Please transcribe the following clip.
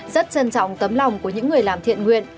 rất trân trọng tấm lòng của những người làm thiện nguyện